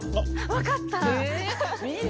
分かった！